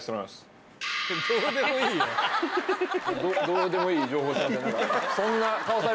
どうでもいいよ。